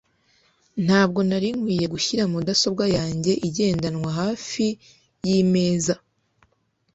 ntabwo nari nkwiye gushyira mudasobwa yanjye igendanwa hafi yimeza